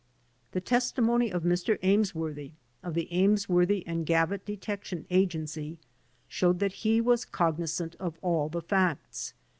The testimony of Mr. Amesworthy, of the Ameswor thy & Gavitt Detective Agency, showed that he was cognizant of all the facts.